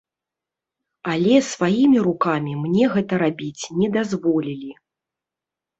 Але сваімі рукамі мне гэта рабіць не дазволілі.